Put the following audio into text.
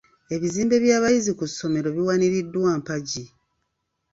Ebizimbe by'abayizi ku ssomero biwaniriddwa mpagi.